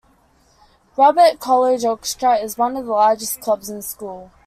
Robert College Orchestra is one of the largest clubs in school.